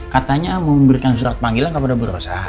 katanya mau memberikan surat panggilan kepada ibu rosa